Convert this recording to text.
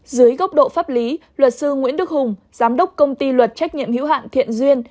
dưới góc độ pháp lý luật sư nguyễn đức hùng giám đốc công ty luật trách nhiệm hữu hạn thiện duyên